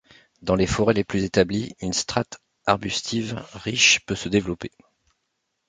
Dans les forêts les plus établies, une strate arbustive riche peut se développer.